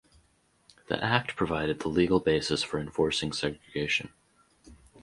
The Act provided the legal basis for enforcing segregation.